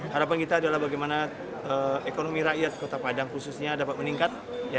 harapan kita adalah bagaimana ekonomi rakyat kota padang khususnya dapat meningkat